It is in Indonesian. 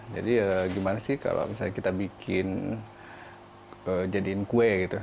jadi gimana sih kalau misalnya kita bikin jadiin kue gitu